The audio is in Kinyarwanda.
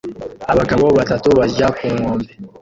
Abagabo batatu barya ku nkombe